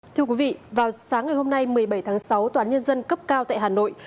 thưa quý vị vào sáng ngày hôm nay một mươi bảy tháng sáu tòa án nhân dân cấp cao tại hà nội